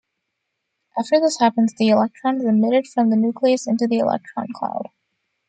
After this happens, the electron is emitted from the nucleus into the electron cloud.